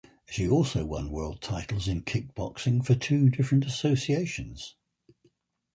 She also won world titles in kick boxing for two different associations.